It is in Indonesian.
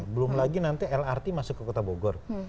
belum lagi nanti lrt masuk ke kota bogor